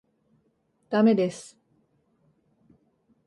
駄目です。